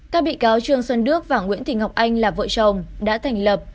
các bị cáo trương xuân đức và nguyễn thị ngọc anh là vợ chồng đã thành lập